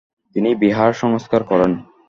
তিনি বিহার সংস্কার করান।